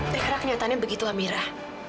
zahira kenyataannya begitu amira